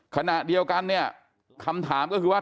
ขณะเดียวกันเนี่ยคำถามก็คือว่า